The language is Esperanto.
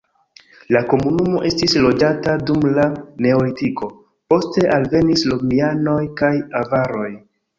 La komunumo estis loĝata dum la neolitiko, poste alvenis romianoj kaj avaroj.